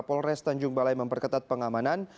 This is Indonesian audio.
polres tanjung balai memperketat pengamanan